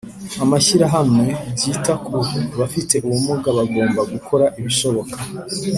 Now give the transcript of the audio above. amashyirahamwe byita ku bafite ubumuga bagomba gukora ibishoboka